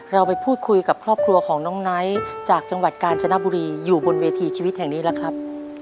เราไปพูดคุยกับครอบครัวของน้องไนท์จากจังหวัดกาญจนบุรีอยู่บนเวทีชีวิตแห่งนี้แล้วครับ